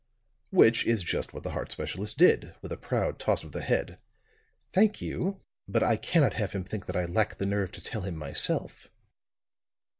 Which is just what the heart specialist did, with a proud toss of the head. "Thank you; but I cannot have him think that I lack the nerve to tell him myself."